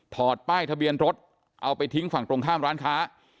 ป้ายทะเบียนรถเอาไปทิ้งฝั่งตรงข้ามร้านค้า